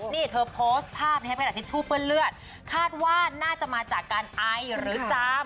นี่เธอโพสต์ภาพขณะทิชชู่เปื้อนเลือดคาดว่าน่าจะมาจากการไอหรือจาม